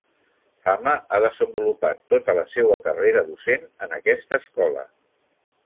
Fama ha desenvolupat tota la seua carrera docent en aquesta escola.